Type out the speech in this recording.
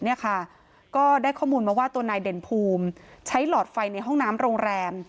เนี่ยค่ะก็ได้ข้อมูลมาว่าตัวนายเด่นภูมิใช้หลอดไฟในห้องน้ำโรงแรม